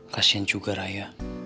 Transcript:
kasian juga raya